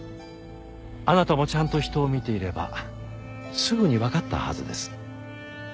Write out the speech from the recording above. あなたもちゃんと人を見ていればすぐにわかったはずです。